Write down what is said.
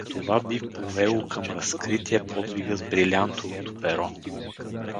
Това би повело към разкритие подвига с брилянтовото перо.